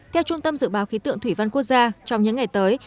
theo trung tâm dự báo khí tượng thủy văn quốc gia trong những ngày tới